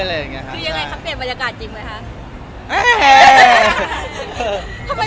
คือยังไงคะเปลี่ยนบรรยากาศจริงไหมคะ